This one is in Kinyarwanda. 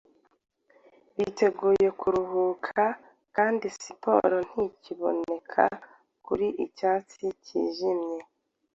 Biteguye kuruhuka, Kandi siporo ntikiboneka Kuri Icyatsi cyijimye. .